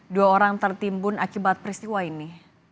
dua orang tertimbun akibat peristiwa ini